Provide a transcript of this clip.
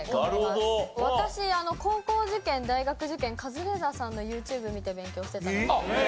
私高校受験大学受験カズレーザーさんのＹｏｕＴｕｂｅ見て勉強してたので。